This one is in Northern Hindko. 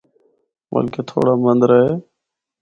بلکہ تھوڑا مَندرہ اے۔